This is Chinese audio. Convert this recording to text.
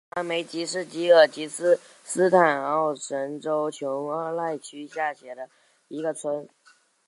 卡拉梅克是吉尔吉斯斯坦奥什州琼阿赖区下辖的一个村。